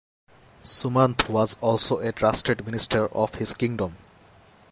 Sumanth was also a trusted minister of his kingdom.